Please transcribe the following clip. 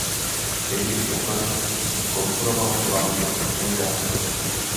David Popper komponoval převážně pro svůj nástroj.